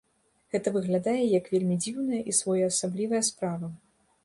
Гэта выглядае як вельмі дзіўная і своеасаблівая справа.